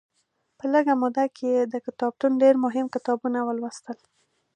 په لږه موده کې یې د کتابتون ډېر مهم کتابونه ولوستل.